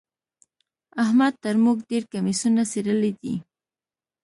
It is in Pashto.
احمد تر موږ ډېر کميسونه څيرلي دي.